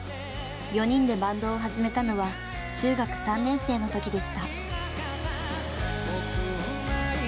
４人でバンドを始めたのは中学３年生の時でした。